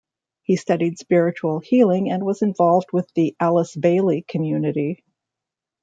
He studied spiritual healing, and was involved with the Alice Bailey community.